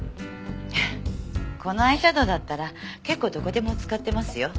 このアイシャドーだったら結構どこでも使ってますよ。